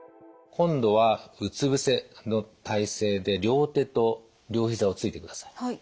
今度はうつぶせの体勢で両手と両膝をついてください。